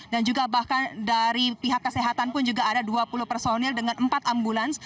dan juga bahkan dari pihak kesehatan pun juga ada dua puluh personil dengan empat ambulans